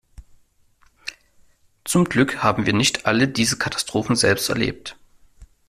Zum Glück haben wir nicht alle diese Katastrophen selbst erlebt.